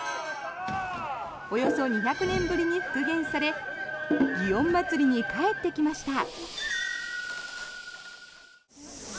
およそ２００年ぶりに復元され祇園祭に帰ってきました。